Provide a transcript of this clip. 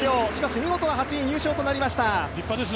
見事な８位入賞となりました。